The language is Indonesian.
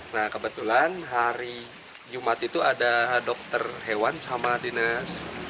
nah kebetulan hari jumat itu ada dokter hewan sama dinas